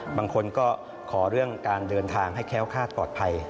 บางคนก็ขอเรื่องการเดินทางให้แค้วคาดปลอดภัย